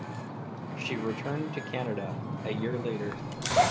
She returned to Canada a year later.